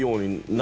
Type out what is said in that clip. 何？